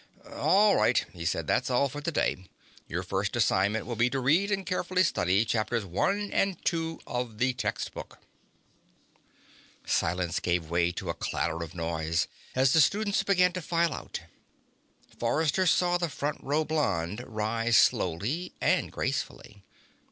"All right," he said. "That's all for today. Your first assignment will be to read and carefully study Chapters One and Two of the textbook." Silence gave way to a clatter of noise as the students began to file out. Forrester saw the front row blonde rise slowly and gracefully.